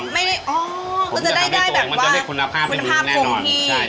อ๋อไม่ได้อ๋อมันจะได้คุณภาพที่มีแน่นอน